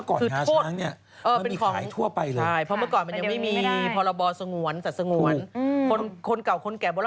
โอ้ไม่รู้กี่คนละใช่ไหมครับคนละ๓๐๐๐๐๐บาทค่ะอืมนะ